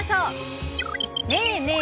ねえねえ